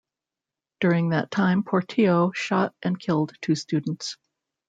During that time, Portillo shot and killed two students.